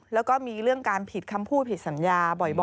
แล้วก็มีเรื่องการผิดคำพูดผิดสัญญาบ่อย